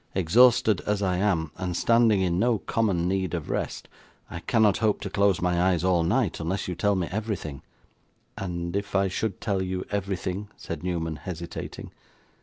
Exhausted as I am, and standing in no common need of rest, I cannot hope to close my eyes all night, unless you tell me everything.' 'And if I should tell you everything,' said Newman, hesitating.